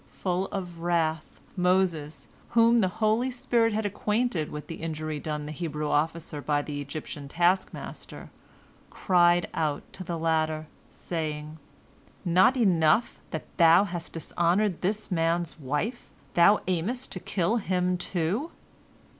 Full of wrath, Moses, whom the holy spirit had acquainted with the injury done the Hebrew officer by the Egyptian taskmaster, cried out to the latter, saying: "Not enough that thou hast dishonored this man's wife, thou aimest to kill him, too?"